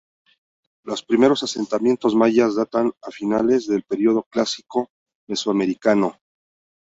Los primeros asentamientos mayas datan de finales del periodo clásico mesoamericano.